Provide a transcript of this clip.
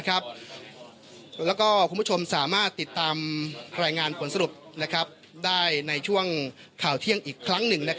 แล้วก็คุณผู้ชมสามารถติดตามรายงานผลสรุปได้ในช่วงข่าวเที่ยงอีกครั้งหนึ่ง